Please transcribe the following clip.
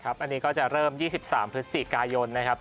อันนี้ก็จะเริ่ม๒๓พฤศจิกายนนะครับ